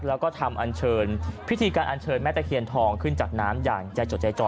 แล้วก็ทำอันเชิญพิธีการอันเชิญแม่ตะเคียนทองขึ้นจากน้ำอย่างใจจดใจจ่อ